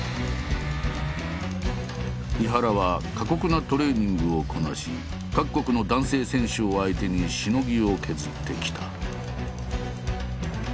井原は過酷なトレーニングをこなし各国の男性選手を相手にしのぎを削ってきた。